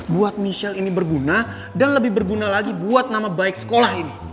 buat michelle ini berguna dan lebih berguna lagi buat nama baik sekolah ini